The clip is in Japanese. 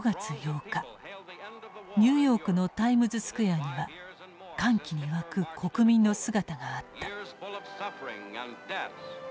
ニューヨークのタイムズスクエアには歓喜に沸く国民の姿があった。